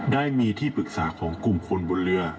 ได้มีที่ปรึกษาของกลุ่มคนบนเรือ